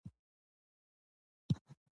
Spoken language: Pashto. کندهار د افغانستان د موسم د بدلون سبب کېږي.